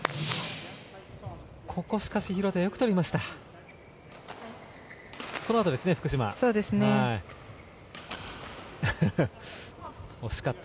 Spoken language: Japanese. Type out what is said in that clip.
ここ廣田、よく取りました。